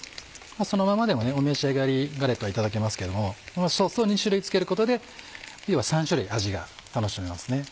そのままでもお召し上がりガレットはいただけますけどもソースを２種類つけることで３種類味が楽しめますね。